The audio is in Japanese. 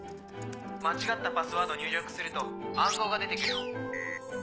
間違ったパスワード入力すると暗号が出て来る。